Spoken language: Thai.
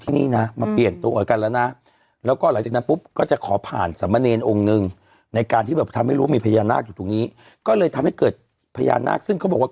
ตรงนี้ก็เลยทำให้เกิดพญานาคซึ่งเขาบอกว่า